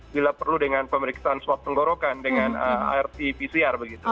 bila perlu dengan pemeriksaan swab tenggorokan dengan arti pcr begitu